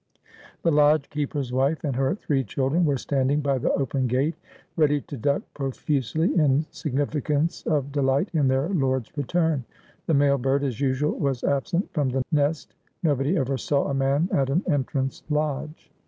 114 Asphodel. The lodge keeper's wife and her three children were stand ing by the open gate, ready to duck profusely in significance of delight in their lord's return. The male bird as usual was absent from the nest. Nobody ever saw a man at an entrance lodge.